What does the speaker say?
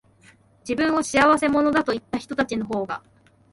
自分を仕合せ者だと言ったひとたちのほうが、